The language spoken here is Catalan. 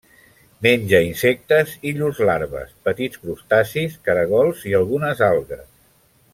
Menja insectes i llurs larves, petits crustacis, caragols i algunes algues.